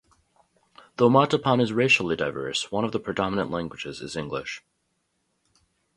Though Mattapan is racially diverse, one of the predominant languages is English.